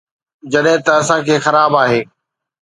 جڏهن ته اسان کي خراب آهي